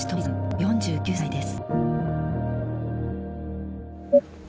４９歳です。